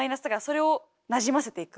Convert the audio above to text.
それをなじませていく。